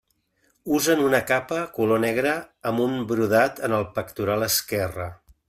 Usen una capa color negre amb un brodat en el pectoral esquerre.